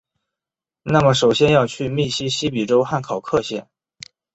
那么首先要去密西西比州汉考克县！